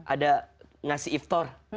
ada ngasih iftar